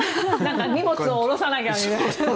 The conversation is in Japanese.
荷物を下ろさなきゃみたいな。